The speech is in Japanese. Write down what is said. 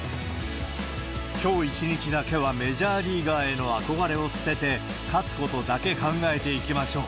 きょう一日だけはメジャーリーガーへの憧れを捨てて、勝つことだけ考えていきましょう。